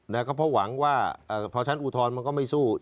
แล้วก็เพราะหวังว่าเพราะฉะนั้นอุทธรณ์มันก็ไม่สู้